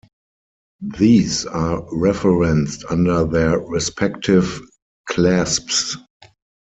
These are referenced under their respective clasps.